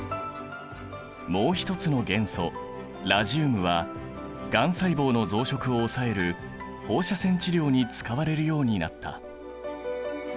もう一つの元素ラジウムはがん細胞の増殖を抑える放射線治療に使われるようになった。